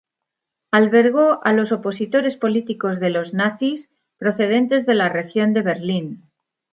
Albergó a los opositores políticos de los nazis, procedentes de la región de Berlín.